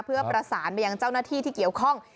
เพื่อประสานไปยังเจ้าหน้าที่ที่เกี่ยวข้อง